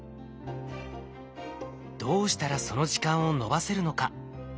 どうしたらその時間を延ばせるのか。